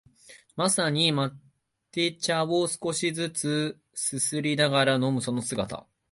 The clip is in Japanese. まさにマテ茶を少しづつすすりながら飲むその姿